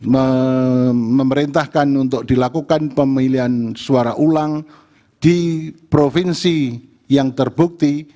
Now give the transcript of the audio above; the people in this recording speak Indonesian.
dan memerintahkan untuk dilakukan pemilihan suara ulang di provinsi yang terbukti